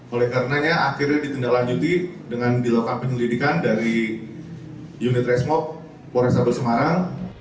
oleh karenanya akhirnya ditindaklanjuti dengan dilakukan penyelidikan dari unit resmob polrestabes semarang